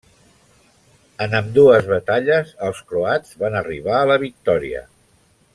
En ambdues batalles els croats van arribar a la victòria.